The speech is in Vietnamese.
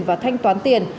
và thanh toán tiền